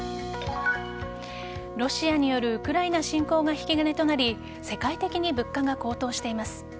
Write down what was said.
ロシアによるウクライナ侵攻が引き金となり世界的に物価が高騰しています。